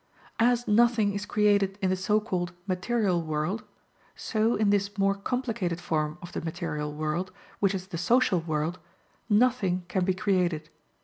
As nothing is created in the so called material world, so in this more complicated form of the material world, which is the social world, nothing can be created.